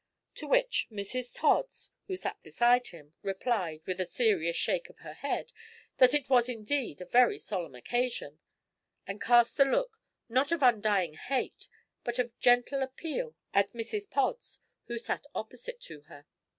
To which Mrs Tods, who sat beside him, replied, with a serious shake of her head, that it was indeed a very solemn occasion, and cast a look, not of undying hate but of gentle appeal at Mrs Pods, who sat opposite to her.